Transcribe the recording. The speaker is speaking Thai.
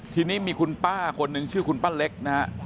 ทีนี้มีคุณป้าคนหนึ่งชื่อคุณป้าเล็กนะฮะ